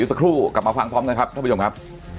สักครู่กลับมาฟังพร้อมกันครับท่านผู้ชมครับ